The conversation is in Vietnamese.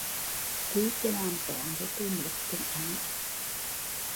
Chi chứ làm toán thì tui nuốt chửng hắn